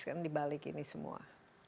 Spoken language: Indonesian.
kan dibalik ini semua